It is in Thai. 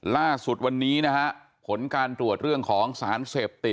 ล่าสุดวันนี้นะฮะผลการตรวจเรื่องของสารเสพติด